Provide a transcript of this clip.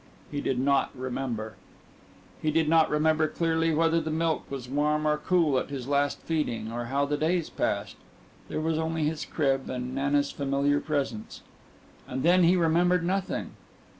He did not remember. He did not remember clearly whether the milk was warm or cool at his last feeding or how the days passed there was only his crib and Nana's familiar presence. And then he remembered nothing.